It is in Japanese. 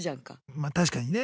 ま確かにね。